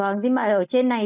vâng nhưng mà ở trên này